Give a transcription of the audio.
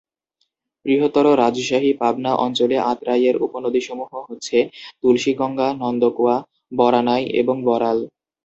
বৃহত্তর রাজশাহী-পাবনা অঞ্চলে আত্রাই-এর উপনদীসমূহ হচ্ছে: তুলসীগঙ্গা, নন্দকুয়া, বরানাই এবং বড়াল।